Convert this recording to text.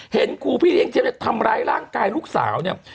เห็นครูพี่เลี้ยเนี่ยทำร้ายร่างกายลูกสาวเนี่ย